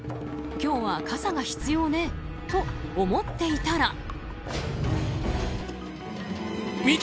今日は傘が必要ねと思っていたら。